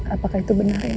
apakah itu benar ren